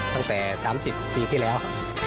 ตั้งแต่๓๐ปีที่แล้ว